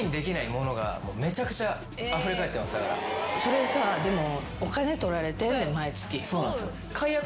それさでも。